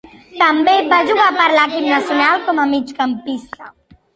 També va jugar per l'equip nacional com a migcampista.